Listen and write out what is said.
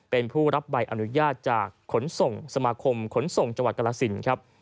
เป็นผู้รับใบอนุญาตจากสมาคมขนส่งจกรศิลป์